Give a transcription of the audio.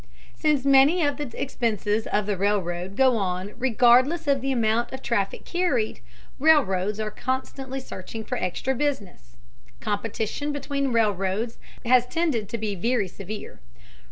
Since many of the expenses of the railroad go on regardless of the amount of traffic carried, railroads are constantly searching for extra business. Competition between railroads has tended to be very severe.